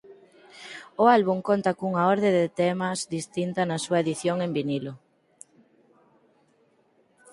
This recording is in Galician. O álbum conta cunha orde de temas distinta na súa edición en vinilo.